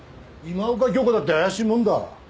今岡鏡子だって怪しいもんだ。